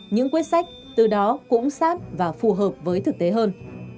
những quyết sách từ đó cũng sát và phù hợp với thực tế hơn